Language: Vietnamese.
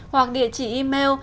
hoặc địa chỉ email